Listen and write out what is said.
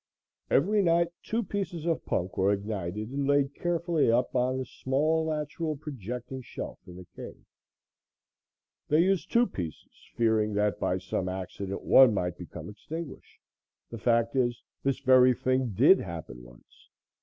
Every night two pieces of punk were ignited and laid carefully up on a small natural projecting shelf in the cave. They used two pieces, fearing that by some accident one might become extinguished. The fact is, this very thing did happen once.